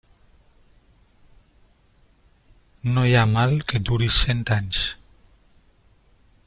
No hi ha mal que duri cent anys.